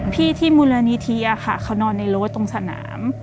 ที่มูลนิธิค่ะเขานอนในรถตรงสนาม